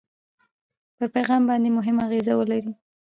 پر پیغام باندې مهمه اغېزه ولري.